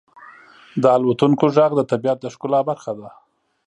• د الوتونکو ږغ د طبیعت د ښکلا برخه ده.